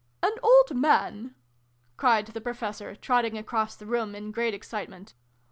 "An old man!" cried the Professor, trotting across the room in great excitement.